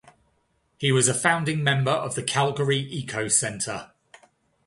He was a founding member of the Calgary Eco Centre.